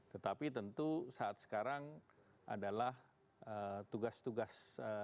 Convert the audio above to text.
tetapi tentu saat sekarang adalah tugas tugas